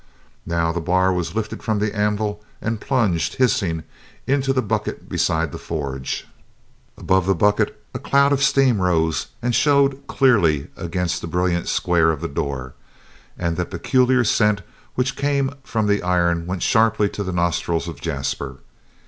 Now the bar was lifted from the anvil and plunged, hissing, into the bucket beside the forge; above the bucket a cloud of steam rose and showed clearly against the brilliant square of the door, and the peculiar scent which came from the iron went sharply to the nostrils of Jasper.